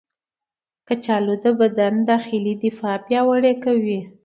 کچالو د بدن داخلي دفاع پیاوړې کوي.